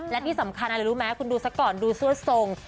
และที่สำคัญอะไรรู้ไหมดูสักก่อนดูเสื้อส่ง